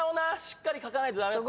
しっかり書かないと駄目。